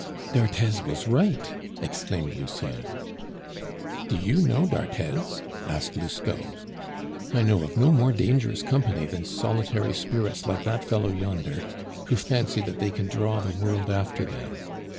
"D'Arthez was right," exclaimed Lucien. "Do you know d'Arthez?" asked Lousteau. "I know of no more dangerous company than solitary spirits like that fellow yonder, who fancy that they can draw the world after them.